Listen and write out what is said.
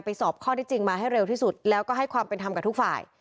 สอบข้อที่จริงมาให้เร็วที่สุดแล้วก็ให้ความเป็นธรรมกับทุกฝ่าย